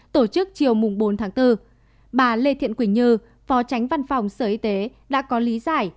tổ chức chiều bốn tháng bốn bà lê thiện quỳnh như phó tránh văn phòng sở y tế đã có lý giải